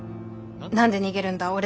「何で逃げるんだ？